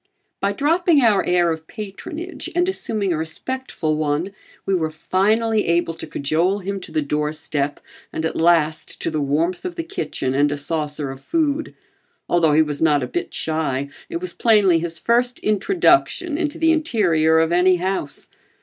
By dropping our air of patronage and assuming a respectful one, we were finally able to cajole him to the doorstep and at last to the warmth of the kitchen and a saucer of food. Although he was not a bit shy, it was plainly his first introduction into the interior of any house.